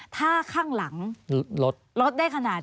ถ้าข้างหลังรถได้ขนาดนี้